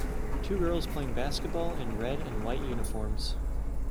Two girls playing basketball in red and white uniforms